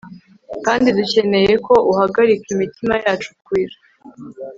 kandi dukeneye ko uhagarika imitima yacu kurira .